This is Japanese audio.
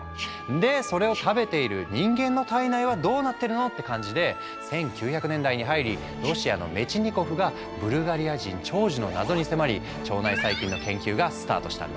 でそれを食べている人間の体内はどうなってるのって感じで１９００年代に入りロシアのメチニコフがブルガリア人長寿の謎に迫り腸内細菌の研究がスタートしたんだ。